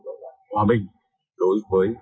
đó là hòa bình đối với